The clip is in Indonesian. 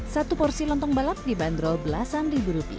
satu porsi lontong balap dibanderol belasan ribu rupiah